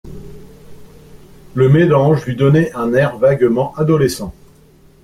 Le mélange lui donnait un air vaguement adolescent.